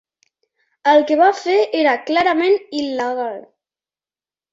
El que va fer era clarament il·legal.